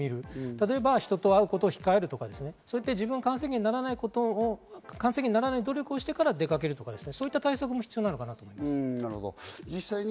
例えば人と会うこと控えるとか、自分が感染源にならないよう努力してから出かけるとか、そういう対策も必要かなと思います。